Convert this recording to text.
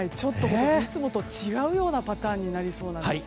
今年はいつもと違うパターンになりそうです。